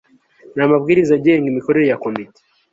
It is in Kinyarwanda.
n amabwiriza agenga imikorere ya komite